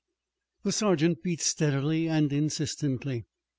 The sergeant beat steadily and insistently.